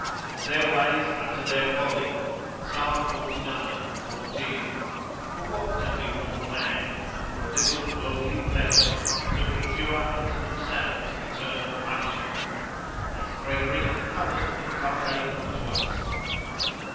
And their ways utter their folly, Psal. xlix. 14. For what can be more mad, than for a little worldly pleasure to procure unto themselves eternal punishment? As Gregory and others inculcate unto us.